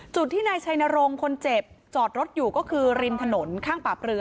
จุดที่นายชัยนรงค์คนเจ็บจอดรถอยู่ก็คือริมถนนข้างปราบเรือ